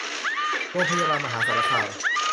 โรงพยาบาลมหาสารคาม